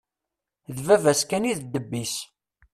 D baba-s kan i d ddeb-is.